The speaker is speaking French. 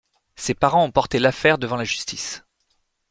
Ses parents ont porté l'affaire devant la justice.